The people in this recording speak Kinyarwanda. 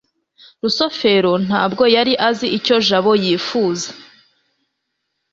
rusufero ntabwo yari azi icyo jabo yifuza